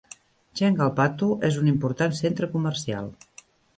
Chengalpattu és un important centre comercial.